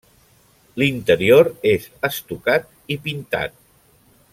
L'interior és estucat i pintat.